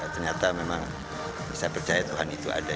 ternyata memang saya percaya tuhan itu ada